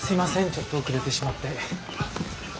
ちょっと遅れてしまって。